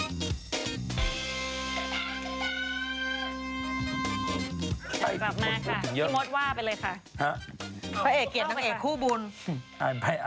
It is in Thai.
สวัสดีครับมาค่ะพี่มดว่าไปเลยค่ะ